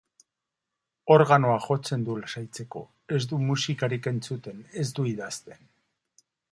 Organoa jotzen du lasaitzeko, ez du musikarik entzuten, ez du idazten.